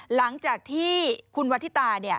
หลังจากที่คุณวัฒิตา